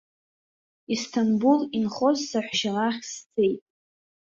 Исҭамбул инхоз саҳәшьа лахь сцеит.